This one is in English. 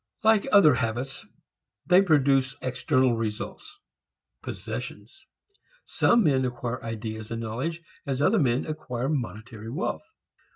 Like other habits they produce external results, possessions. Some men acquire ideas and knowledge as other men acquire monetary wealth.